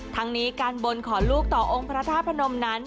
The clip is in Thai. ทั้งนี้การบนขอลูกต่อองค์พระธาตุพนมนั้น